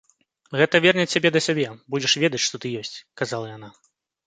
Гэта верне цябе да сябе, будзеш ведаць, што ты ёсць, казала яна.